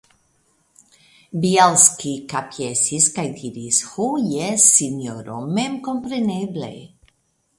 Bjelski kapjesis kaj diris: Ho jes, sinjoro, memkompreneble.